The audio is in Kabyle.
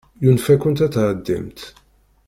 Yunef-akent ad tɛeddimt.